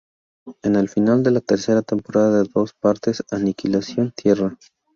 En el final de la tercera temporada de dos partes, Aniquilación: ¡Tierra!